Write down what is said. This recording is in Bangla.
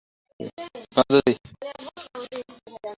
তুমি এখনো নিজের কথায় অনড় রয়েছো?